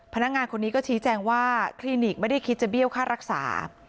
พนักงานคนนี้ก็ชี้แจงว่าคลินิกไม่ได้คิดจะเบี้ยวค่ารักษา